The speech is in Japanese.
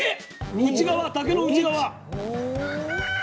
内側竹の内側。